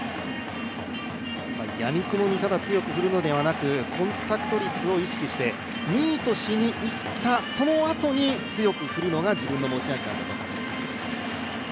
やみくもにただ強く振るのではなくコンパクト率を意識してミートしにいったその後に強く振るのが自分の持ち味なんだと。